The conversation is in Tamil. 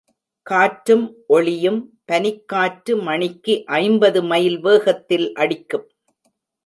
காற்றும் ஒளியும் பனிக்காற்று மணிக்கு ஐம்பது மைல் வேகத்தில் அடிக்கும்.